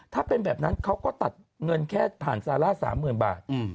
ถ้าเป็นแบบนั้นเขาก็ตัดเงินแค่ผ่านซาร่า๓๐๐๐บาท